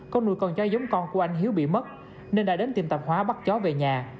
con nuôi con chó giống con của anh hiếu bị mất nên đã đến tìm tạp hóa bắt cháu về nhà